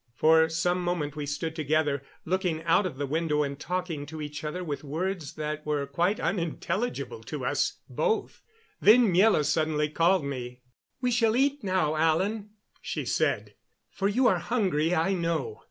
For some moments we stood together, looking out of the window and talking to each other with words that were quite unintelligible to us both. Then Miela suddenly called me. "We shall eat now, Alan," she said, "for you are hungry, I know.